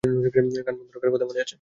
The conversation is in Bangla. কান বন্ধ রাখার কথা মনে আছে?